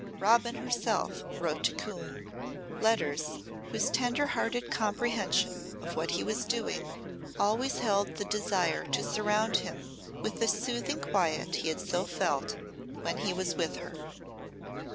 Robin herself wrote to Coombe letters whose tender hearted comprehension of what he was doing always held the desire to surround him with the soothing quiet he had so felt when he was with her.